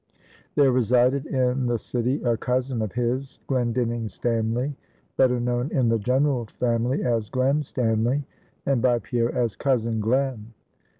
There resided in the city a cousin of his, Glendinning Stanly, better known in the general family as Glen Stanly, and by Pierre, as Cousin Glen.